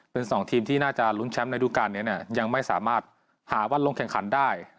เป็น๒ทีมที่น่าจะลุ้นแชมป์ในดูการนี้ยังไม่สามารถหาวันลงแข่งขันได้